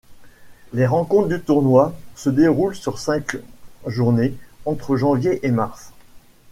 Les rencontres du tournoi se déroulent sur cinq journées entre janvier et mars.